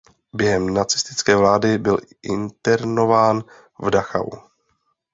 Během nacistické vlády byl internován v Dachau.